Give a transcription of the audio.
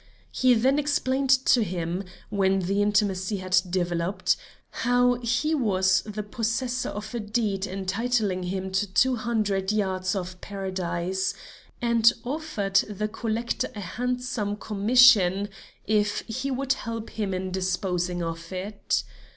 He then explained to him, when the intimacy had developed, how he was the possessor of a deed entitling him to two hundred yards of Paradise, and offered the collector a handsome commission if he would help him in disposing of it.